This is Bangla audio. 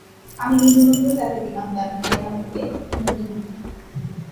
আমি নিজ অনুগ্রহে তাকে দিলাম তার ভাই হারূনকে নবীরূপে।